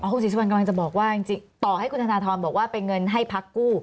คุณศรีสุวรรณกำลังจะบอกว่าจริงต่อให้คุณธนทรบอกว่าเป็นเงินให้พักกู้